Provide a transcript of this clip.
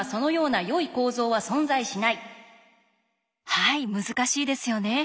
はい難しいですよね。